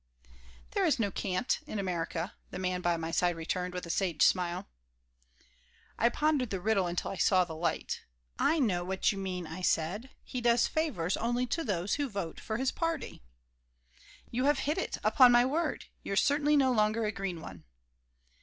"There is no 'can't' in America," the man by my side returned, with a sage smile I pondered the riddle until I saw light. "I know what you mean," I said. "He does favors only to those who vote for his party." "You have hit it, upon my word! You're certainly no longer a green one."